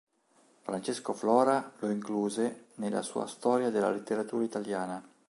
Francesco Flora lo incluse nella sua "Storia della Letteratura Italiana".